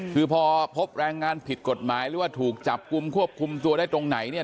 คือพอพบแรงงานผิดกฎหมายหรือว่าถูกจับกลุ่มควบคุมตัวได้ตรงไหนเนี่ย